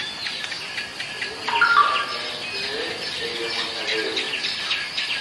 خروج او از جلسه غیرمنتظره بود.